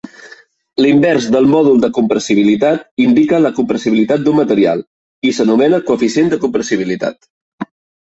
L'invers del mòdul de compressibilitat indica la compressibilitat d'un material i s'anomena coeficient de compressibilitat.